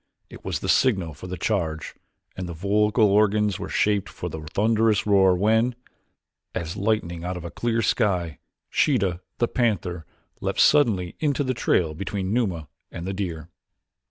It was the signal for the charge and the vocal organs were shaped for the thunderous roar when, as lightning out of a clear sky, Sheeta, the panther, leaped suddenly into the trail between Numa and the deer.